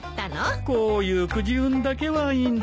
こういうくじ運だけはいいんだよね。